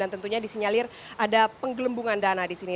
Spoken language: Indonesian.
dan tentunya disinyalir ada penggelembungan dana disini